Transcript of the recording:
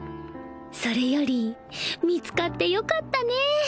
それより見つかってよかったね